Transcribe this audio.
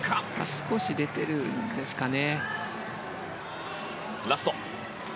少し出ているんですかね。